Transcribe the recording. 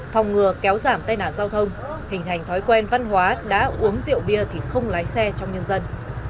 phòng ngừa kéo giảm tai nạn giao thông hình thành thói quen văn hóa đã uống rượu bia thì không lái xe trong nhân dân